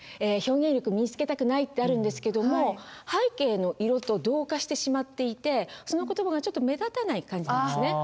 表現力みにつけたくない？」ってあるんですけども背景の色と同化してしまっていてその言葉がちょっと目立たない感じなんですね。